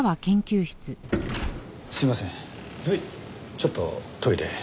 ちょっとトイレへ。